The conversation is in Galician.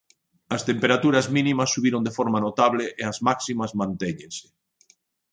As temperaturas mínimas subiron de forma notable e as máximas mantéñense.